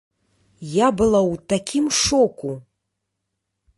Я была ў такім шоку!